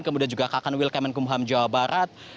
kemudian juga kakan wilkemen kumham jawa barat